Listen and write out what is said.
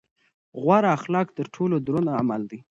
غوره اخلاق تر ټولو دروند عمل دی.